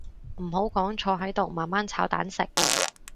唔好講坐喺度慢慢炒蛋食